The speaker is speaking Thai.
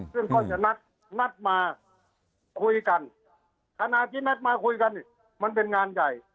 ซึ่งก็จะนัดมาคุยกันขณะที่นัดมาคุยกันนี่มันเป็นงานใหญ่